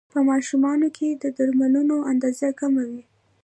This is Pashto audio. په ماشومانو کې د درملو اندازه کمه وي.